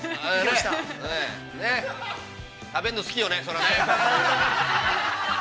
◆食べるの好きよね、それはね。